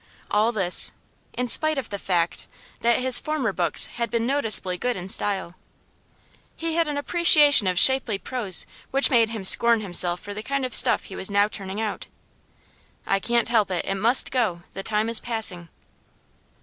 All this, in spite of the fact that his former books had been noticeably good in style. He had an appreciation of shapely prose which made him scorn himself for the kind of stuff he was now turning out. 'I can't help it; it must go; the time is passing.